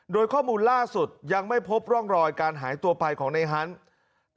โดยข้อมูลล่าสุดยังไม่พบร่องรอยการหายตัวไปของในฮันต์